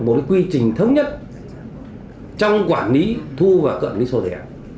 một cái quy trình thống nhất trong quản lý thu và cận lý số thẻ